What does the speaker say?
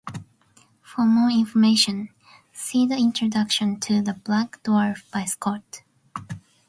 For more information, see the introduction to "The Black Dwarf" by Scott.